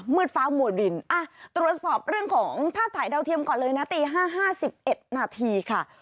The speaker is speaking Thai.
มืดฟ้าหมวดดินอ่ะตรวจสอบเรื่องของภาพถ่ายดาวเทียมก่อนเลยนะตีห้าห้าสิบเอ็ดนาทีค่ะ